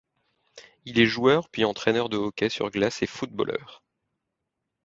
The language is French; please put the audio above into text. Il est joueur puis entraîneur de hockey sur glace et footballeur.